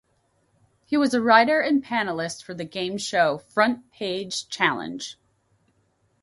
He was a writer and panelist for the game show "Front Page Challenge".